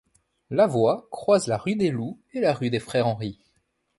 La voie croise la rue des Loups et la rue des Frères-Henry.